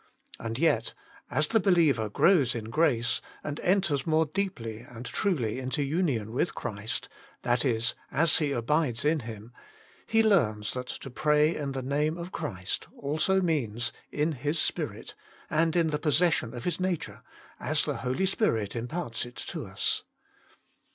And yet, as the believer grows in grace and enters more deeply and truly into union with Christ that is, as he abides in Him he learns that to pray in the Name of Christ also means in His Spirit, and in the possession of His nature, as the Holy Spirit imparts it to us.